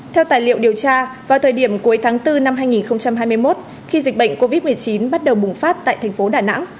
theo tài liệu điều tra vào thời điểm cuối tháng bốn năm hai nghìn hai mươi một khi dịch bệnh covid một mươi chín bắt đầu bùng phát tại thành phố đà nẵng